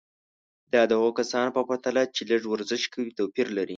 دا د هغو کسانو په پرتله چې لږ ورزش کوي توپیر لري.